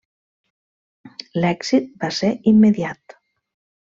L'èxit va ser immediat.